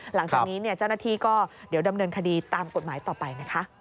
หลังจากนี้เจ้าหน้าที่ก็เดี๋ยวดำเนินคดีตามกฎหมายต่อไปนะคะ